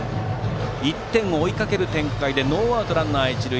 １点を追いかける展開でノーアウトランナー、一塁。